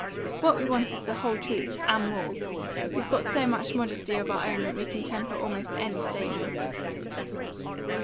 What we want is the whole truth; and more; we've got so much modesty of our own that we can temper almost any statement."